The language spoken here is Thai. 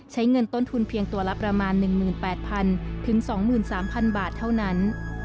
ใช้เงินต้นทุนเพียงตัวละประมาณ๑๘๐๐๒๓๐๐บาทเท่านั้น